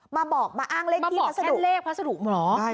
มาบอกมาอ้างเลขที่พัสดุมาบอกแค่เลขพัสดุเหรอ